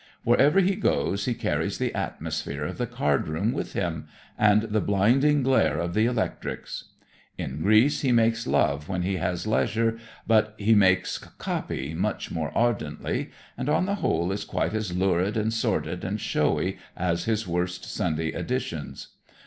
Wherever he goes he carries the atmosphere of the card room with him and the "blinding glare of the electrics." In Greece he makes love when he has leisure, but he makes "copy" much more ardently, and on the whole is quite as lurid and sordid and showy as his worst Sunday editions.